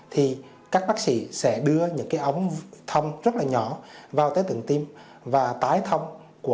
thì các bác sĩ sẽ đưa những cái ống thông rất là nhỏ vào tới tượng tim và tái thông của